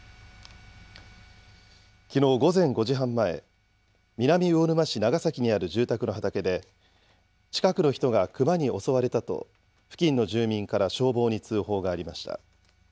きのう午前５時半前、南魚沼市長崎にある住宅の畑で、近くの人がクマに襲われたと付近の住民から消防に通報がありました。